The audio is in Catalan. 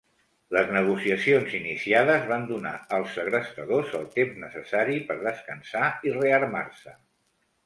Les negociacions iniciades van donar als segrestadors el temps necessari per descansar i rearmar-se.